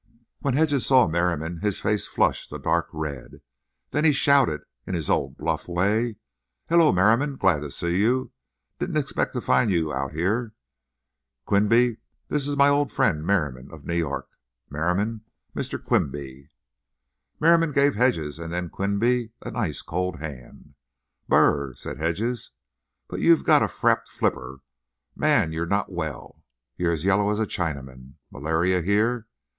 When Hedges saw Merriam his face flushed a dark red. Then he shouted in his old, bluff way: "Hello, Merriam. Glad to see you. Didn't expect to find you out here. Quinby, this is my old friend Merriam, of New York—Merriam, Mr. Quinby." Merriam gave Hedges and then Quinby an ice cold hand. "Br r r r!" said Hedges. "But you've got a frappéd flipper! Man, you're not well. You're as yellow as a Chinaman. Malarial here?